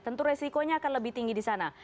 tentu resikonya akan lebih tinggi di sana